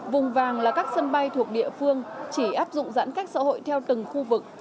vùng vàng là các sân bay thuộc địa phương chỉ áp dụng giãn cách xã hội theo từng khu vực